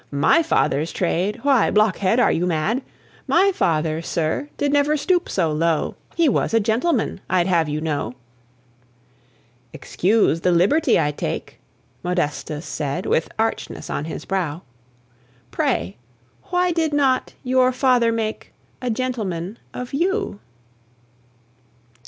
My father's trade? Why, blockhead, are you mad? My father, sir, did never stoop so low He was a gentleman, I'd have you know." "Excuse the liberty I take," Modestus said, with archness on his brow, "Pray, why did not your father make A gentleman of you?"